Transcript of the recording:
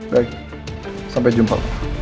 baik sampai jumpa